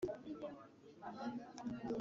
iyo irakaye irakara ikarusha amakara